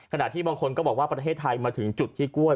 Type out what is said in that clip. ที่บางคนก็บอกว่าประเทศไทยมาถึงจุดที่กล้วย